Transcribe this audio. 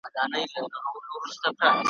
تاوېدم لکه پېچک له ارغوانه `